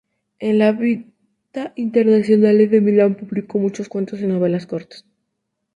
En la "Vita internazionale", de Milán, publicó muchos cuentos y novelas cortas.